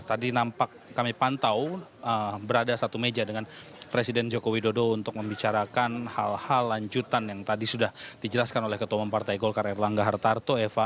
tadi nampak kami pantau berada satu meja dengan presiden joko widodo untuk membicarakan hal hal lanjutan yang tadi sudah dijelaskan oleh ketua umum partai golkar erlangga hartarto eva